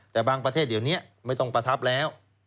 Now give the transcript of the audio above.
แต่บางประเทศเดี๋ยวนี้ไม่ต้องประทับแล้ว